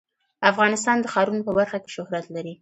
افغانستان د ښارونو په برخه کې شهرت لري.